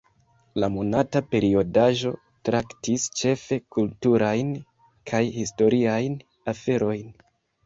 La monata periodaĵo traktis ĉefe kulturajn kaj historiajn aferojn.